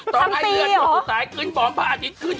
ต้องให้เลือดจนสุดท้ายขึ้นพระอาทิตย์ขึ้น